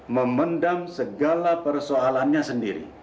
memendam segala persoalannya sendiri